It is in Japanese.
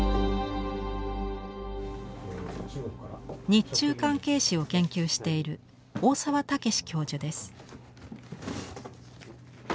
日中関係史を研究している大澤武司教授です。